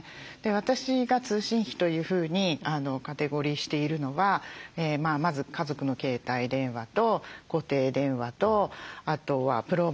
私が通信費というふうにカテゴリーしているのはまず家族の携帯電話と固定電話とあとはプロバイダー料金と